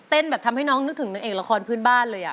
แบบทำให้น้องนึกถึงนางเอกละครพื้นบ้านเลย